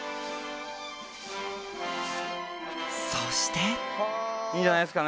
そして。